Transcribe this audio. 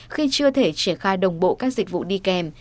khi chưa thể triển khai đồng bộ các dịch vụ đi kèm